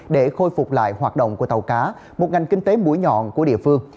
để khôi phục lại hoạt động của tàu cá một ngành kinh tế mũi nhọn của địa phương